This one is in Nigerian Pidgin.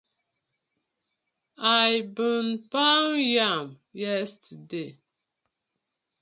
I bin pawn yam yestade.